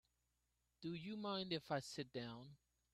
Do you mind if I sit down?